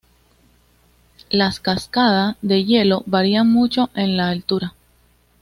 Las cascada de hielo varían mucho en la altura.